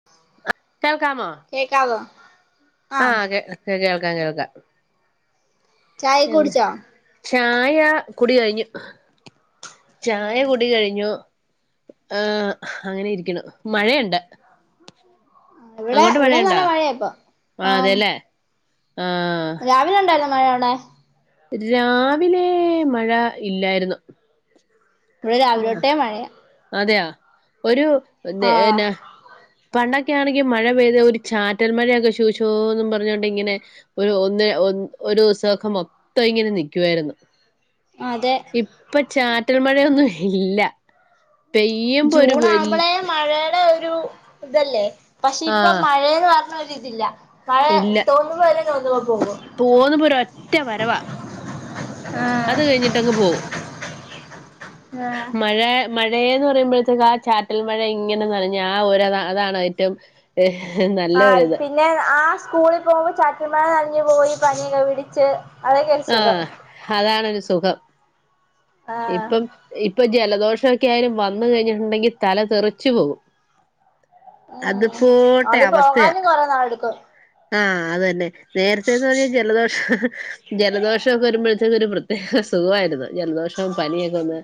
[unintelligible] അ കേൾക്കാമൊ കേക്കാമോ ആ കേ കേ കേൾക്കാം കേൾക്കാം ചായ ക്കേ എന്ന് കുടിച്ചോ ചായ കുടി കഴിഞ്ഞു ചായ ഉം കുടി കഴിഞ്ഞു ആ അങ്ങനെ ഇരിക്കുന്നു മഴയുണ്ട് ഇവിടെ അങ്ങോട്ട് ഇവിടെ മഴയുണ്ടാ നല്ല മഴയാ ഇപ്പൊ ആ ആഹ് അതെല്ലേ ആഹ് രാവിലെ ഉണ്ടായില്ലോ മഴയവിടെ രാവിലെ മഴ ഇല്ലായിരുന്നു ഇവിടെ രാവിലൊട്ടെ മഴയാ അതെയ ആഹ് ഒരുന്നെന്ന പണ്ടൊക്കെയാണെങ്കി മഴ പെയ്താ ഒരു ചാറ്റൽ മഴയൊക്കെ ഷുഷൂന്നും പറഞ്ഞോണ്ടിങ്ങനെ ഒരു ഒന്ന് ഒ ഒരുസൊക്കെ മൊത്തങ്ങനെ നിക്കുവായിരുന്നു അതെ ഇപ്പൊ ചാറ്റൽ മഴയൊന്നു ഇല്ല പെയ്യുമ്പോ ഒരു വൽ ജൂണാകുമ്പളേ മഴേടെയൊരു രു ഇതല്ലേ പക്ഷെ ഇപ്പൊ ആഹ് മഴേന്ന് പറഞ്ഞ ഒരിതില്ല ആ തോന്നുമ്പെല്ലാന്തോന്നും ഒ പോകാ തോന്നുമ്പൊരൊറ്റ വരവാ അത് കഴിഞ്ഞിട്ടങ്ങ് പോകും ഏഹ് മഴ മഴയെന്ന് പറയുമ്പഴത്തേക്കാ ചാറ്റൽ മഴ ഇങ്ങനെന്നനഞ്ഞ് ആഹ് ഒര അതാണ് ഏറ്റം നല്ല ഒരിത് ന്നെ ആഹ് സ്കൂളിൽ പോകുമ്പൊ ചാറ്റൽമഴ നറഞ്ഞ്പോയി പനിയൊക്കെ പിടിച്ച് അതൊക്കെ ഒരു സുഖം ആഹ് അതാണൊരു സുഖം ആഹ് ഇപ്പം ഇപ്പൊ ജലദോഷൊക്കായാലും വന്ന്കഴിഞ്ഞിട്ടുണ്ടെങ്കി തല തെറിച്ച് പോകും ഉം അത്പോട്ടെ അവസ്ഥയ അത് നാളെട്ക്കും ആഹ് അതന്നെ നേരത്തേന്നറഞ്ഞ ജലദോഷ ജലദോഷൊക്കൊവരുമ്പഴത്തേന് ഒരു പ്രത്യേക സുഖവായിരുന്നു ജലദോഷ ട്ടം പനിയൊക്കെ വന്നാ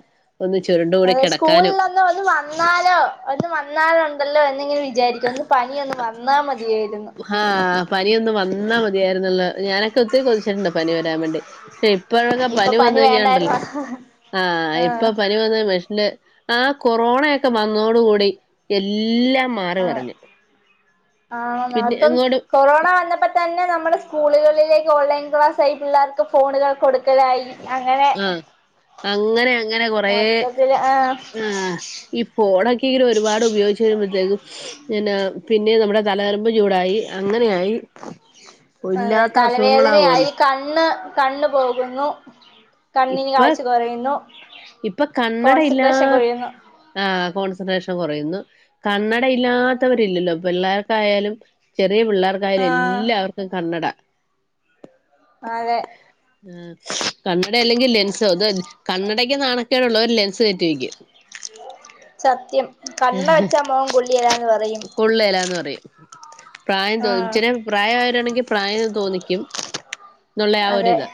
അതെ സ്കൂളിലന്നു ഒന്ന് വന്നാലോ ഒന്ന് വന്നാലുണ്ടല്ലോ എന്നിങ്ങി ചാരിക്കൊന്ന് പനിയൊന്ന് വന്നാ മതിയായിരുന്നു ആഹ് പനിയൊന്ന് വന്നാമതിയായിരുന്നല്ലോ ഞാനൊക്കൊത്തിരി കൊതിച്ചിട്ട്ണ്ട് പനി വരാൻ വേണ്ടി പക്ഷെ ഇ ഇപ്പങ്ങാ ഇപ്പൊ പനി വന്ന്കയിഞ്ഞാണ്ടല്ലേ വേണ്ടായിരുന്നു ആഹ് ഇപ്പൊ പനി വന്നാ മഷ് ന്ന് ആഹ് കൊറോണയൊക്കെ വന്നോട്കൂടി എല്ലാം മാറിമറിഞ്ഞു ആഹ് നാത്തം കൊറോണവന്നപ്പ പ്പ്തന്നെ നമ്മുടെ സ്കൂളുകളിലേക്ക് ഓൺലൈൻ ക്ലാസ്സായി പിള്ളേർക്ക് ഫോണ്കൾ കൊട്ക്കലായി അങ്ങനെ ആഹ് അങ്ങനെ അങ്ങനെ കൊറേ മൊത്തത്തില് ആഹ് ആഹ് ഈ ഫോണെക്കെയിങ്ങനെ ഒരുപാട് ഉപയോഗിച്ച് വരുമ്പത്തേക്കും പിന്നെ പിന്നെം നമ്മുടെ തലനരമ്പ് ചൂടായി അങ്ങനെയായി അതെ പ്പില്ലാത്ത അസുഖങ്ങളാവല്ലോ തലവേദനയായി കണ്ണ് കണ്ണ് പോകുന്നു കണ്ണിന് ഇപ്പൊ കാഴ്ച കൊറയുന്നു ഇപ്പൊ കണ്ണട ഇല്ലാ കോൺസൻട്രേഷൻ കൊറയുന്നു ആഹ് കോൺസൻട്രേഷൻ കൊറയുന്നു കണ്ണടയില്ലാത്തവരില്ലല്ലോ പില്ലാർ തായാലും ചെറിയ പിള്ളേർക്കായാലും ആഹ് എല്ലാവർക്കും കണ്ണട താഴെ ഉം കണ്ണടയല്ലെങ്കി ലെൻസോ ത് കണ്ണടക്ക് നാണക്കേടുള്ളോര് ലെൻസ് കേറ്റി വെക്കും സത്യം കണ്ണട വെച്ച മൊകം കൊള്ളീല്ലാന്ന് പറയും കൊള്ളേലാന്ന് പറയും പ്രായം ആ തോന്നും ചില പ്രായായവരാണെങ്കി പ്രായം തോന്നിക്കും ന്നുള്ള ആ അതെ ഒരിത്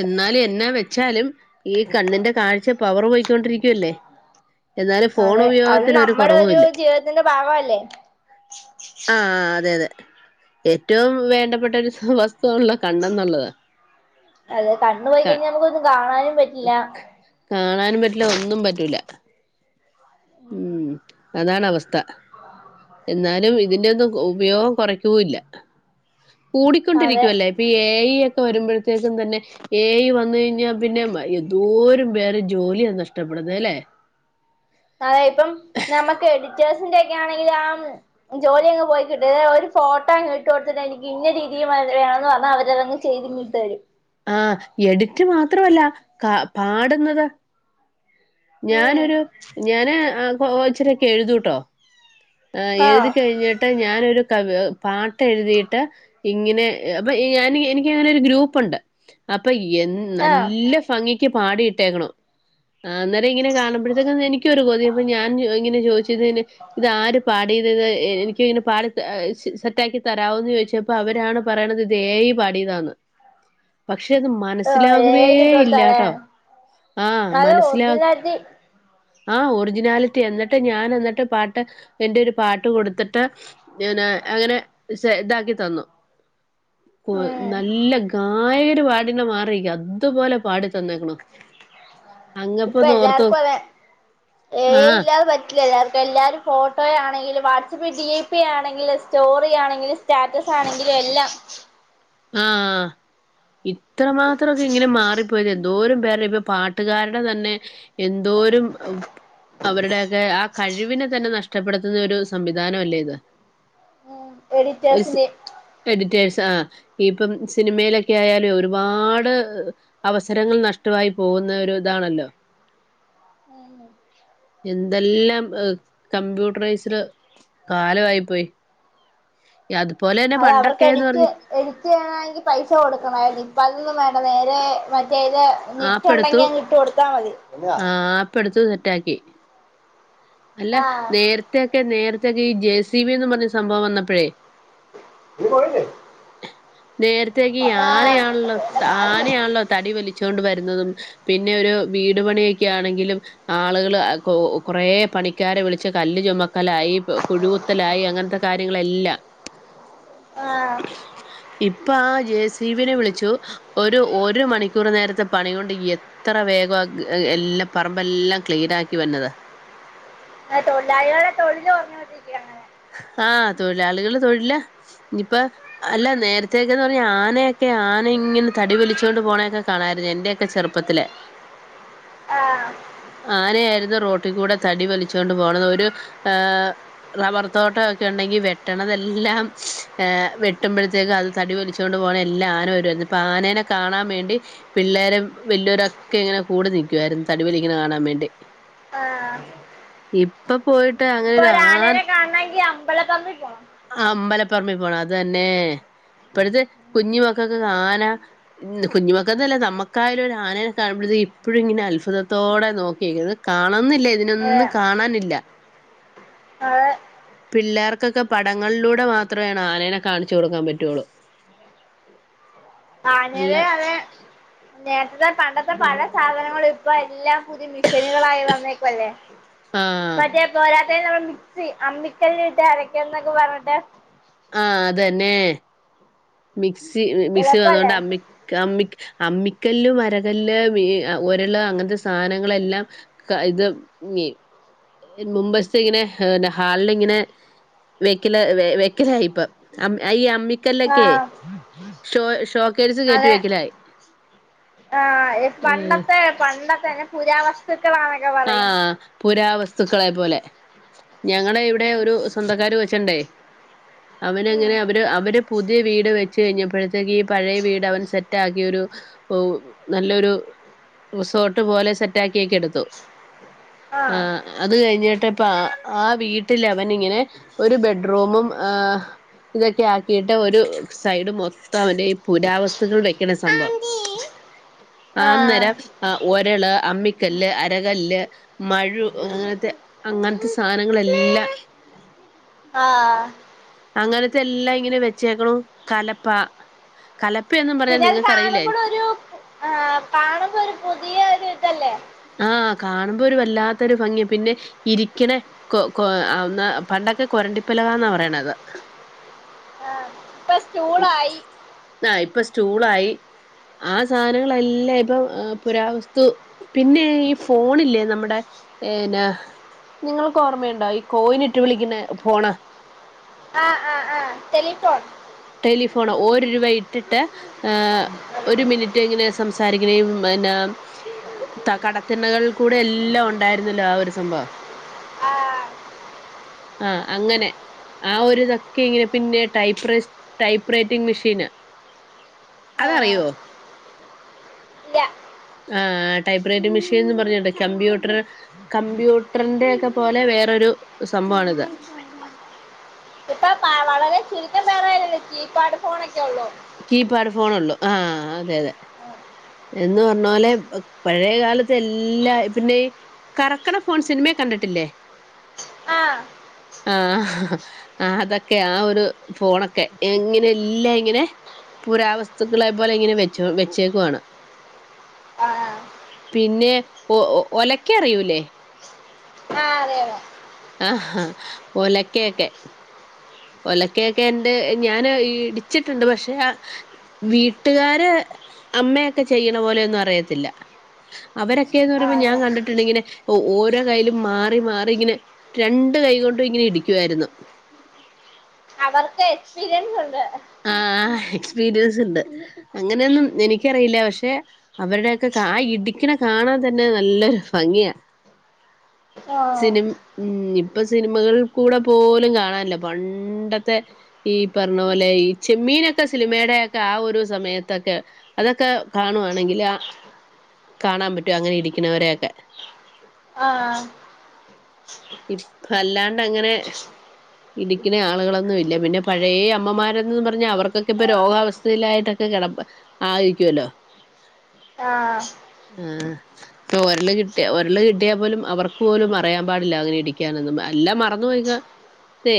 എന്നാലും എന്നാ വെച്ചാലും ഈ കണ്ണിന്റെ കാഴ്ച പവർ പോയിക്കൊണ്ടിരിക്കുവല്ലേ എന്നാലും ഫോണുപയോഗത്തിനൊരു കൊറ ക്കെ ഒരു ജീവിതത്തിന്റെ ഭാഗവല്ലേ ആഹ് അതെയതെ ഏറ്റവും വേണ്ടപ്പെട്ടൊരു വസ്തുവുള്ള കണ്ണെന്നുള്ളതാ അതെ കണ്ണ് പോയി കയിഞ്ഞാ നമുക്കൊന്നും കാണാനും പറ്റില്ല കാണാനും പറ്റില്ല ഒന്നും പറ്റൂല ഉം അതാണവസ്ഥ എന്നാലും ഇതിന്റൊയൊന്നും ഉപയോഗം കൊറ ക്കൂല്ല അതെ കൂടിക്കൊണ്ടിരിക്കുവല്ലേ ഇപ്പീ ഏഐ ഒക്കെ വരുമ്പഴത്തേക്കും തന്നെ എ ഐ വന്ന് കഴിഞ്ഞാ പിന്നെ എന്തോരം പേരെ ജോലിയാ നഷ്ടപ്പെടുന്നത് അല്ലേ അതെ ഇപ്പം നമ്മക്ക് എഡിറ്റേഴ്സിന്റെക്കെ ആണെങ്കില് ആ ജോലി അങ്ങ് പോയി കിട്ടും. ഒരു ഫോട്ടങ് ഇട്ട് കൊടുത്തിട്ട് എനിക്ക് ഇന്ന രീതിയിൽ വേണന്ന് പറഞ്ഞ അവരതങ്ങ് ചെയ്തിങ്ങിട്ടരും ആ എഡിറ്റ് മാത്രവല്ല ക പാടുന്നതോ ഉം ഞാനൊരു ഞാന് കൊ ഇച്ചിരൊക്കെ എഴുതുട്ടോ ആ എഴുതി ആഹ് കഴിഞ്ഞിട്ട് ഞാനൊരു കവി പാട്ട് എഴുതിയിട്ട് ഇങ്ങനെ അപ്പൊ ഈ ഞാനീ എനികിതിലൊരു ഗ്രൂപ്പുണ്ട് അപ്പൊ എ- ആഹ് നല്ല ഭംഗിക്ക് പാടിയിട്ടേക്കണം ആ, അന്നേരം ഇങ്ങനെ കാണമ്പഴത്തേക്കും എനിക്കൊരു കൊതി അപ്പ ഞാൻ ഇങ്ങനെ ചോദിച്ചതിന് ഇത് ആര് പാടി - യത് എനിക്കങ്ങനെ പാടി സെറ്റാക്കി തരാവോന്ന് ചോദിച്ചപ്പോ അവരാണ് പറണത് ഇത് എ ഐ പാടിയതാന്ന് പക്ഷെ ആഹ് ഏ മനസ്സിലാകുവേ ഐ ക്ക് ഇട്ട് കൊടുത്താലേ ഇല്ലാട്ടോ ആ മനസ് - ഇതിനൊരിജി ആ ഒറിജിനാലിറ്റി എന്നിട്ട് ഞാൻ എന്നിട്ട് പാട്ട് എന്റെ ഒരു പാട്ട് കൊടുത്തിട്ട് ഇങ്ങനെ അങ്ങനെ താക്കി തന്നു ഇപ്പൊ ഉം നല്ല ഗായകര് പാട്ണ മാറി അതുപോലെ പാടി തന്നേക്ക്ണ് ഇപ്പൊ എല്ലാര്ക്കതെ എ ഐ ആഹ് ഇല്ലാതെ പ- ഇല്ലെ [unintelligible] എല്ലാരും ഫോട്ടോ ആണെങ്കിലും വാട്സപ്പ് ഡി പി ആണെങ്കിലും സ്റ്റോറി ആണെങ്കിലും സ്റ്റാറ്റസാണെങ്കിലും എല്ലാം ആ ഇത്രമാത്രമൊക്കെ എങ്ങനെ മാറി- പൊരെന്തോ [unintelligible] പാട്ടുകാര്ടെ തന്നെ എന്തോരും അവരുടെ ആ കഴിവിനെ തന്നെ നഷ്ടപ്പെടുത്തുന്ന ഒരു സംവിധാനം അല്ലേ ഇത് [unintelligible] എഡിറ്റേഴ്സിന്റെ എഡിറ്റേഴേസ് ആ ഇപ്പം സിനിമയിലൊക്കെ ആയാല് ഒരുപാട് അവസരങ്ങൾ നഷ്ടവായി പോകുന്നൊര്താണല്ലോ എന്തെല്ലാം കമ്പ്യൂട്ടറൈസ്ഡ് കാലവായി പ്പോയി അതുപോലെ തന്നെ പണ്ടൊക്കെന്ന് പറഞ്ഞ എഡിറ്റിയ്യിണങ്കിപൈസ കൊടുക്കണോ [unintelligible] വേണ്ട വേറെ മറ്റേത് ആപ്പ് എടുത്തു നെറ്റ്ട്ടുണ്ടെങ്കി അങ്ങിട്ട് കൊടുത്താ മതി ഇപ്പൊടുത്തൊന്ന് സെറ്റാക്കി അല്ല ആഹ് നേര- ത്തെക്കെ നേരത്തൊക്കെ ഈ ജെ സി ബി എന്ന് പറഞ്ഞ സംഭവം വന്നപ്പഴേ നേരത്തേക്കിയാനയാണല്ലോ താനെയാണല്ലോ തടി വലിച്ചോണ്ട് വരുന്നതും പിന്നെ ഒരു വീടു പണിയൊക്കെ ആണെങ്കിലും ആളുകള് കു കുറേ പണിക്കാരെ വിളിച്ച് കല്ല് ചുമ- ക്കലായി കുഴുകുത്തലായി അങ്ങൻത്തെ കാര്യങ്ങളെല്ലാം ആ ഇപ്പൊ ആ ജെ സി ബി നെ വിളിച്ചു ഒരു ഒരു മണി- ക്കൂറ് നേരത്തെ പണി കൊണ്ട് എത്ര വേഗ എല്ലാം പറമ്പെല്ലാം ക്ലീനാക്കി വര്ന്നത് തൊഴിലാളികളെ തൊഴില് കൊറഞ്ഞോണ്ടിരിക്കും അങ്ങനെ ആ തൊഴിലാളികള് തൊഴില് ഇഞ്ഞിപ്പ അല്ല നേരത്തേക്കെന്ന് പറഞ്ഞ ആനയൊക്കെ ആനെങ്ങനെ തടി വലിച്ചോണ്ട് പോണെയൊക്കെ കാണായിരുന്നു എന്റെ- ക്കെ ചെറുപ്പത്തില് ആ ആന ആയിരുന്നു റോട്ടി കൂടെ തടി വലിച്ചോണ്ട് പോണത് ഒരു ഏ റബർ തോട്ടൊക്കെ ഇണ്ടെങ്കി വെട്ടണതെല്ലാം വെട്ടുമ്പഴത്തേക്കും അത് തടി വലി- ച്ചോണ്ട് പോണ എല്ലാരും വരും. ഇതിപ്പോ ആനേനെ കാണാൻ വേണ്ടി പിള്ളേരും വല്ല്യോരൊക്കെ ഇങ്ങനെ കൂടി നിക്കാരുന്നു തടിവലിക്ക്‌ണ കാണാൻ വേണ്ടി ആ ഇപ്പൊ പോയിട്ട് അങ്ങനൊരു ആൻ- കാണെങ്കി അമ്പല പറമ്പി പോണം അമ്പലപ്പറമ്പി പോണം അതന്നെ ഇപ്പഴത്തെ കുഞ്ഞിമക്കക്കൊക്കെ ആന ഇന്ന് കുഞ്ഞുമക്കന്നല്ല നമ്മക്കായാലും ഒരാനയെ കാണുമ്പോഴത് ഇപ്പോഴും ഇങ്ങനെ അൽഫുതത്തോടെ നോക്കിയേ കുന്നത് കാണുന്നില്ല ഇതിനൊന്നും കാണാനില്ല ആതെ പിള്ളേർക്കൊക്കെ പടങ്ങളൾലൂടെ മാത്രാണ് ആനേനെ കാണിച്ചു കൊടുക്കാൻ പറ്റൊള്ളൂ അല്ല ആനേനെ അതെ നേരത്തത്തെ പണ്ടത്തെ പല സാധനങ്ങളും ഇപ്പ എല്ലാം. പുതിയ മിഷനുകളായി വന്നേക്കല്ലേ ആഹ് മറ്റേ പോല തേ നമ്മളെ മിക്സി അമ്മിക്കല്ലി ട്ട് അരക്ക്യാ ന്നൊക്കെ പറ്ഞ്ഞിട്ട് ആ അതന്നെ മിക്സി മിസ് എളുപ്പല്ലേ വന്നൊണ്ട് അമ്മി കഅമ്മി അമ്മിക്കല്ലും അരകല്ല് വേ ഒരള് അങ്ങനത്തെ സാധനങ്ങളെല്ലാം ക ഇത് ങ്ങി ഇ മുമ്പസ്ത്തിങ്ങനെ ഹാൾളിങ്ങനെ വെക്കില വെക്കിലായിപ്പം അമ്മ് ഈ അമ്മി ക്കാല്ലോക്കേ ആഹ് ഷോ ഷോക്കേയ്സ് കേറ്റി വെക്കലായി, ആഹ്‌ ഇ ഉം പണ്ടത്തെ പണ്ടത്തെന ഇ പുരാവസ് ആഹ് പുരാവസ്തുക്കളെ പോലെ ഞങ്ങള ഇവിടെ ഒരു സ്വന്തക്കാര് വെച്ചണ്ടേ. ഉം അവനങ്ങനെ അവര് അവര് പുതിയ വീട് വെച്ച് കഴിഞ്ഞപ്പോഴത്തേക്ക് ഈ പഴയ വീട് അവൻ സെറ്റ ആക്കി ഒരു ഓ നല്ലൊരു റിസോട്ട് പോലെ സെറ്റാ ക്കിയൊക്കെ എടുത്തു ആഹ് അത് കഴിഞ്ഞിട്ട് ഇപ്പ അ ആ വീട്ടിൽ അവൻ ഇങ്ങനെ ഒരു ബെഡ്റൂമും ആഹ്‌. ഇതൊക്കെ ആക്കിയിട്ട് ഒരു സൈഡ് മൊത്തോ അവന്റെ ഈ പുരാവസ്തുക്കൾ വെക്കണ സംഭവ ആ ആഹ് അന്നേരം ഒരള് അമ്മിക്കല്ല് അര് രകല്ല് മഴു അങ്ങനത്തെ അങ്ങനത്തെ സാനങ്ങളെല്ലാം [inaudible] ആഹ്‌ അങ്ങനത്തെല്ലാം ഇങ്ങനെ വെച്ചേക്ക്ണു കലപ്പ കലപ്പയൊന്നും പറഞാ പിന്നെ അത് കാണുമ്പോഴും നിങ്ങൾക്ക്റിയില്ലായിരിക്കും? ഒരു ആഹ് കണമ്പരു പുതിയോരുതല്ലേ ആഹ്‌ കാണുമ്പോരു വല്ലാത്തരു ഭംഗി പിന്നെ ഇരിക്ക്ണേ കൊ കൊ അന്ന് പണ്ടൊക്കെ കൊരണ്ടിപ്പലകാന്നാ പറയണത്. ആഹ്‌. ഹ് ആ ഇപ്പ സ്റ്റൂളായി ആ സാധനങ്ങളെല്ലാ ഇപ്പൊ പുരാവസ്തു പിന്നെ ഈ ഫോണില്ലേ നമ്മുടെ ഏന്ന നിങ്ങൾക്കോർമ്മയുണ്ടോ ഈ കോയിന് ഇട്ട് വിളിക്ക്ണഫോണ് ആഹ് ആഹ് ആഹ് ടെലിഫോൺ ടെലിഫോൺ ഓര് രൂപ ഇട്ടിട്ട് ഏഹ് ഒരു മിനിറ്റ് എങ്ങനെ സംസാരികണിം എന്നാ ത കടത്തിണ്ണകൾ കൂടെ എല്ലാം ഉണ്ടായിരുന്നല്ലോ ആ ഒരു സംഭവം, ആഹ് ആഹ് അങ്ങനെ. ആ ഒരുതക്കെ ഇങ്ങനെ പിന്നെ ടൈപ്രസ് ടൈപ്പ് റൈറ്റിംഗ് മെഷീന്. ആഹ് അതറിയോ ഇല്ല. ആഹ് ടൈപ്പ്റേറ്റ് മെഷീന് ന്നും പറ്ഞീണ്ട് കമ്പ്യൂട്ടർ കമ്പ്യൂട്ടർന്റെ ഒക്കെ പോലെ വേറൊരു സംഭവണിത്. ഇപ്പൊ പ വളരെ ചുരുക്കം പേറാറല്ലേ കീപാഡ് ഫോണൊക്കെള്ളൂ? കീപാഡ് ഫോണേള്ളൂ ആ, അതെ, അതെ. എന്ന് പർഞ്ഞോ ലെ പഴെകാലത്തെല്ലാ പിന്നെയി കറക്ക്ണ ഫോൺ സിൻമയെ കണ്ടിട്ടില്ലേ. ആഹ് ആഹ് അതൊക്കെ ആ ഒരു ഫോണൊക്കെ എങ്ങനെല്ലാ ങ്ങനെ. പുരാവസ്തുക്കളെ പോലെ ഇങ്ങനെ വെച്ചു വെച്ചേക്കുവാണ്. ആ പിന്നെ.. ഒലക്ക അറിയൂലെ. ആഹ് അതെ അതെ ആഹാ ഒലക്കെയൊക്കെ. ഒലക്കൊക്കെ എന്റെ ഞാനാ ഇടിച്ചിട്ടുണ്ട് പഷെ വീട്ടുകാര് അമ്മയൊക്കെ ചെയ്യ്ണ പോലെന്നും അറിയത്തില്ല. അവരൊക്കെന്നറിയുമ്പോ ആഹ് ഞാൻ അതെ കണ്ടിട്ട്ണ്ട്ങ്ങനെ ഓരോ കയ്യിലും മാറി മാറി ഇങ്ങനെ. രണ്ട് കൈകൊണ്ടും ഇങ്ങനെ ഇടിക്കുവായിരുന്നു. അവർക്ക് എക്സ്പീരിയൻസ് ണ്ട്. ആഹ് എക്സ്പീരിയൻസ് ണ്ട്. അങ്ങനെയൊന്നും എനിക്കറിയില്ല. പക്ഷെ? അവരുടെയൊക്കെ കാ ഇടിക്ക്ണ കാണാൻ തന്നെ നല്ലൊരു ഭംഗിയാ. ആഹ് സിനിം ഇപ്പ സിനിമകൾ കൂടെ പോലും കാണാൻല്ല പണ്ടത്തെ. ഈ പറണ പോലെ ഈ ചെമ്മീനൊക്കെ സിനിമയുടെ യെക്കെ ആ ഒരു സമയത്തൊക്കെ. അതൊക്കെ കാണുവാണെങ്കിലാ ആ കാണാൻ പറ്റൂ അങ്ങനെ ഇടി ക്കുന്നവരെയൊക്കെ. ആഹ് ഇപ്പല്ലാണ്ടങ്ങനെ. ഇടി ക്ക്ണ ആളുകളൊന്നും ഇല്ല പിന്നെ പഴെ അമ്മമാരെന്ന് പറഞ്ഞാ അവർക്കൊക്കെ പ്പൊ രോഗാവസ്ഥ സുകല്ലായിട്ടൊക്കെ കിടപ്പ് ആയിരിക്കുവല്ലോ. ആഹ് ആ പ്പൊ ഒരള് കിട്ടിയാ ഒരള് കിട്ടിയാൽ പോലും അവർക്ക് പോലും അറിയാൻ പാട് ല്ല അങ്ങനെ ഇടിക്കാനെന്നും ല്ലാം മറന്നു പേയിക്കാ സെ.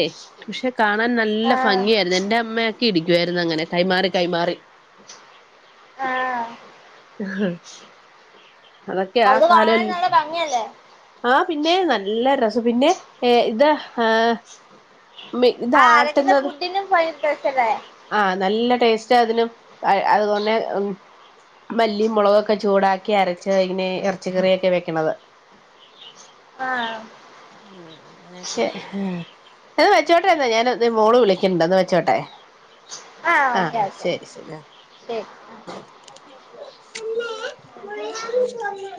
ക്ഷെ കാണാൻ നല്ല ആഹ് ഭംഗിയായിരുന്നു. എൻ്റെ അമ്മയെക്കെ ഇടിക്കുവായിരുന്നു. അങ്ങനെ കൈമാറി, കൈമാറി, ആഹ് അതൊക്കെ അന്ന് കാലം കാണാനും നല്ല ഭംഗിയല്ലേ. ആ പിന്നെ, നല്ല രസം പിന്നെ ഏ ത ആഹ് മ്മെ ആഹ് അതൊക്കെ ഇതാട്ടുന്നതും. ഫുഡിനും ഭയങ്കര സ്പെഷ്യലേ ആഹ് നല്ല ടേസ്റ്റ് അതിനും അയ് അത് കൊന്നെ ഉം മല്ലിം മെളകെക്കെ ചൂടാക്കി അരച്ചയ്ന് ഇറച്ചി കറിയൊക്കെ വെക്ക്ണത്. [inaudible] ആ ഉം അങ്ങനെയൊക്കെ ഉം. അത് വെച്ചോട്ടെ ന്നാ ഞാന് മോള് വിളിക്ക്ണ്ട് ത് വെച്ചോട്ടെ. ആഹ് ഓക്കെ ഓക്കെ ശെരി ശെരി ശരി ഉം [unintelligible]